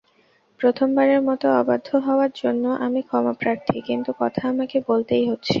প্রথমবারের মতো অবাধ্য হওয়ার জন্য আমি ক্ষমাপ্রার্থী, কিন্তু কথা আমাকে বলতেই হচ্ছে।